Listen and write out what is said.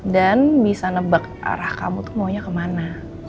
dan bisa nebak arah kamu tuh maunya kemana